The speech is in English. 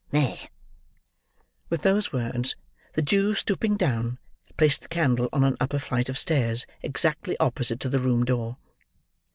There!" With those words, the Jew, stooping down, placed the candle on an upper flight of stairs, exactly opposite to the room door.